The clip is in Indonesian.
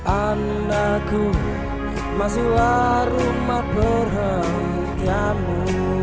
andaku masihlah rumah perhatiamu